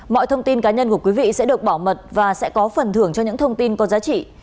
mọi thông tin cá nhân của quý vị sẽ được bảo mật và sẽ có phần thưởng cho những thông tin có giá trị